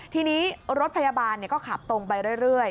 ทีนี้รถพยาบาลก็ขับตรงไปเรื่อย